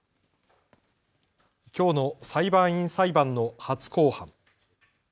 きょうの裁判員裁判の初公判。